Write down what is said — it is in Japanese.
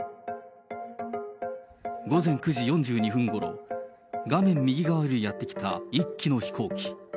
午前９時４２分ごろ、画面右側よりやって来た１機の飛行機。